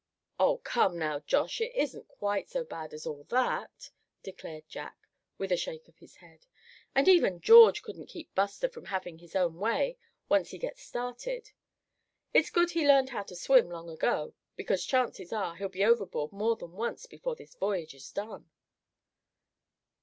"Oh! come now, Josh, it isn't quite so bad as all that," declared Jack, with a shake of his head. "And even George couldn't keep Buster from having his own way, once he gets started. It's good he learned how to swim long ago, because chances are, he'll be overboard more than once before this voyage is done."